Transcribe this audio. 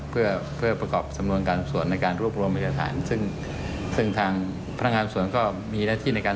ก็ขอความรุงรับว่าใครที่ได้รับความเสียหายนะครับ